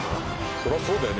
そりゃそうだよね